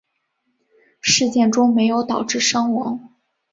事件中没有导致伤亡。